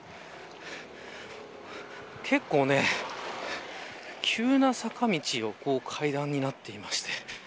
結構、急な坂道を階段になっていまして。